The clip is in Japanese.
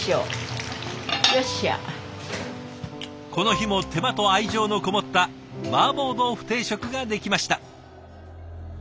この日も手間と愛情のこもったマーボー豆腐定食が出来ました。